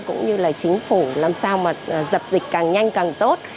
cũng như là chính phủ làm sao mà dập dịch càng nhanh càng tốt